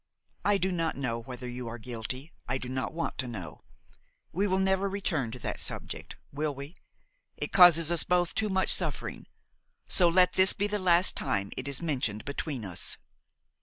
I do not know whether you are guilty, I do not want to know. We will never return to that subject, will we? It causes us both too much suffering: so let this be the last time it is mentioned between us.